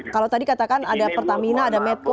kalau tadi katakan ada pertamina ada medco